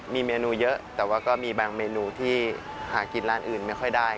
มีเมนูเยอะแต่ว่าก็มีบางเมนูที่หากินร้านอื่นไม่ค่อยได้